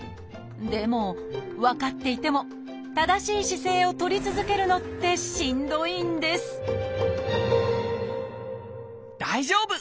でも分かっていても正しい姿勢をとり続けるのってしんどいんです大丈夫！